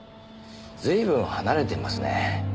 随分離れていますね。